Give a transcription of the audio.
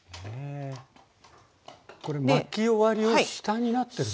これ巻き終わりを下になってるんですか？